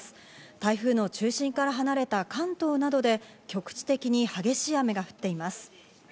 台風の中心から離れた関東などで局地的に激しい雨が降っています。